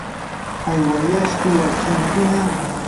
¿aywayashku wakinkuna?